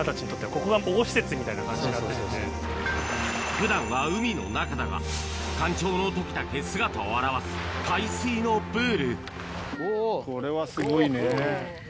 普段は海の中だが干潮の時だけ姿を現す海水のプールお。